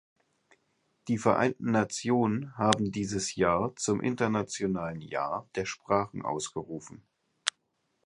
Die Vereinten Nationen haben dieses Jahr zum Internationalen Jahr der Sprachen ausgerufen.